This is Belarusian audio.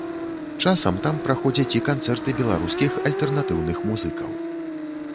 Часам там праходзяць і канцэрты беларускіх альтэрнатыўных музыкаў.